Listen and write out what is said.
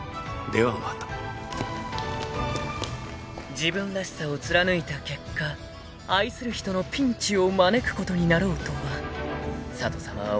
［自分らしさを貫いた結果愛する人のピンチを招くことになろうとは佐都さまは思ってもいなかったでしょう］